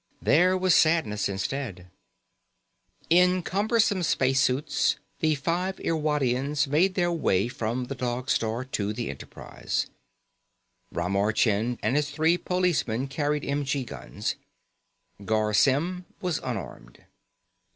There was sadness instead. In cumbersome spacesuits, the five Irwadians made their way from the Dog Star to the Enterprise. Ramar Chind and his three policemen carried m.g. guns; Garr Symm was unarmed.